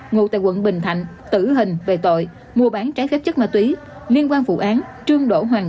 ngụ tại quận bình thạnh tử hình về tội mua bán trái phép chất ma túy liên quan vụ án trương đỗ hoàng